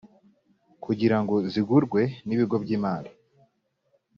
kugira ngo zigurwe n ibigo by imari